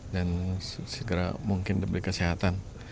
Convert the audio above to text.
dan segera mungkin diberikan kesehatan